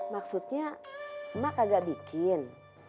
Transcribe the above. maksudnya mak kagak bikin